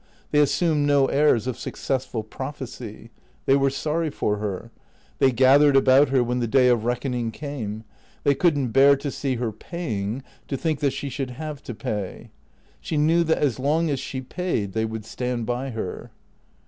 They assumed no airs of successful prophecy. They were sorry for her. They gathered about her when the day of reckoning came; they could n't bear to see her paying, to think that she should have to pay. She knew that as long as she paid they would stand by her.